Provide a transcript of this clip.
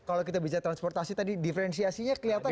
kalau kita bicara transportasi tadi diferensiasinya kelihatan